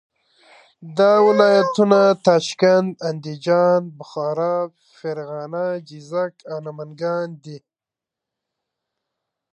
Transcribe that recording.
دا ولایتونه تاشکند، اندیجان، بخارا، فرغانه، جیزک او نمنګان دي.